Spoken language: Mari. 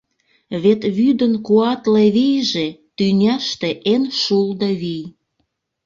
Вет вӱдын куатле вийже — тӱняште эн шулдо вий.